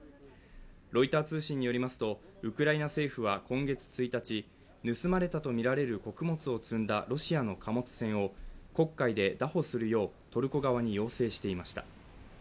ロイター通信によりますと、ウクライナ政府は今月１日、盗まれたとみられる穀物を積んだロシアの貨物船を黒海で拿捕するようトルコ側に要請していました。